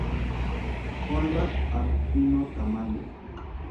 Honra a Rufino Tamayo.